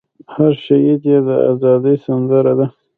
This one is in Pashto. هر شهید ئې د ازادۍ سندره ده